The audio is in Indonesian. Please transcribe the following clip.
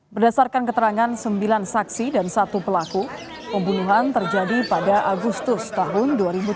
berdasarkan keterangan sembilan saksi dan satu pelaku pembunuhan terjadi pada agustus tahun dua ribu dua puluh